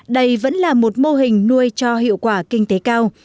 đây vẫn là một mô hình nuôi cho hiệu quả kinh tế cao